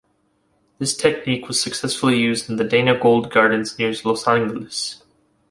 This technique was successfully used in the Dana Gould Gardens near Los Angeles.